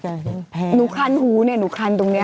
หนูคันหูเนี่ยหนูคันตรงนี้